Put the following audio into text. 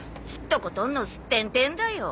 とことんのすってんてんだよ。